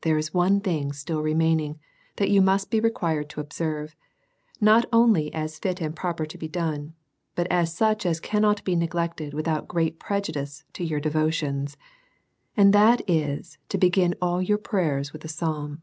There is one thing still remaining that you must be required to observe^ not only as fit and proper to be done, but as such as cannot be neglected, without great prejudice to your devotions; and thai is, to be gin all your prayers with a psalm.